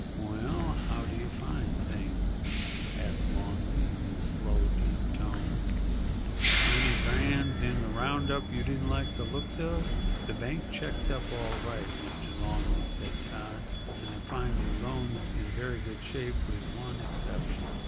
"Well, how do you find things?" asked Longley, in his slow, deep tones. "Any brands in the round up you didn't like the looks of?" "The bank checks up all right, Mr. Longley," said Todd; "and I find your loans in very good shape—with one exception.